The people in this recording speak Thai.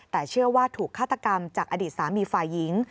แต่เชื่อว่าถูกฆาตกรรมจากอดีตสามีฝ่ายหญิง